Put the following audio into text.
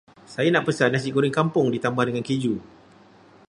Saya nak pesan Nasi goreng kampung ditambah dengan keju.